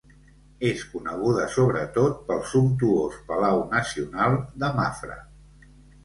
És coneguda sobretot pel sumptuós Palau Nacional de Mafra.